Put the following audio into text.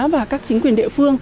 và các chính quyền địa phương